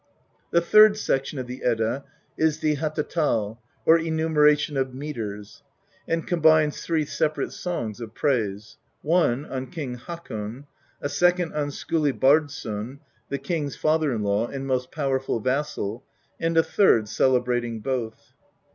The third section of the Edda is the Hattatal^ or Enu meration of Metres, and combines three separate songs of praise: one on King Hakon,a second on Skiili Bardsson, the King's father in law and most powerful vassal, and a third celebrating both.